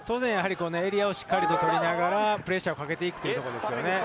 エリアをしっかり取りながら、プレッシャーをかけていくということですね。